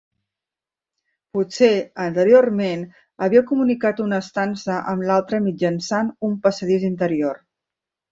Potser, anteriorment, havia comunicat una estança amb l'altra mitjançant un passadís interior.